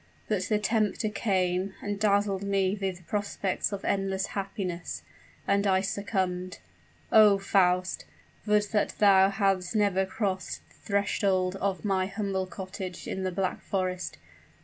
But the tempter came, and dazzled me with prospects of endless happiness and I succumbed! Oh! Faust! would that thou hadst never crossed the threshold of my humble cottage in the Black Forest!